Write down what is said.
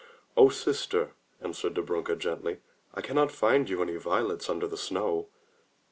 *' "O sister,*' answered Dobrunka gently, "I cannot find you any violets under the snow."